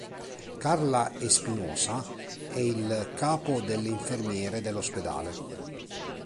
Carla Espinosa è il capo delle infermiere dell'ospedale.